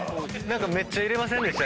めっちゃ入れませんでした？